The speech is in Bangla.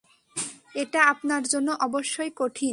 এটা আপনার জন্য অবশ্যই কঠিন।